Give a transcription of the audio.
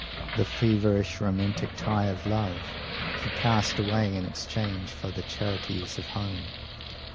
The "feverish, romantic tie of love," he cast away in exchange for the "charities of home."